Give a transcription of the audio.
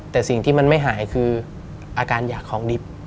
แต่สิ่งที่มันไม่หายคืออาการอยากของดิบ